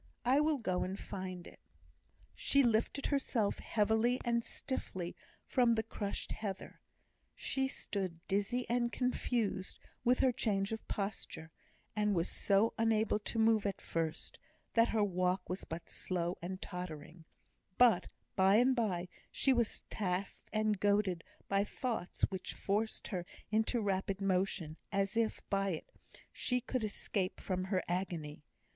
I will go and find it." She lifted herself heavily and stiffly from the crushed heather. She stood dizzy and confused with her change of posture; and was so unable to move at first, that her walk was but slow and tottering; but, by and by, she was tasked and goaded by thoughts which forced her into rapid motion, as if, by it, she could escape from her agony.